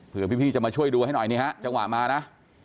เพื่อพี่จะมาช่วยดูให้หน่อยนี่ฮะจังหวะมานะ